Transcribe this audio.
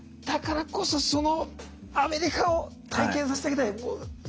だからこそそのアメリカを体験させてあげたい。